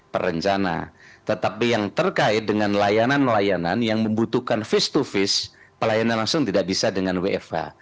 perencana tetapi yang terkait dengan layanan layanan yang membutuhkan face to face pelayanan langsung tidak bisa dengan wfh